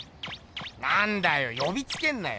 なんだよよびつけんなよ。